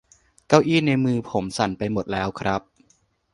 เก้าอี้ในมือผมสั่นไปหมดแล้วครับ